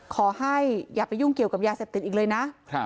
อย่าไปยุ่งเกี่ยวกับยาเสพติดอีกเลยนะ